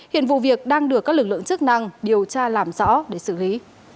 hiện vụ việc đang được các lực lượng chức năng điều tra làm rõ để xử lý